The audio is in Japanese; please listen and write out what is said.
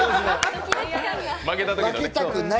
負けたくない。